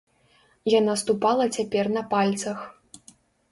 Яна ступала цяпер на пальцах.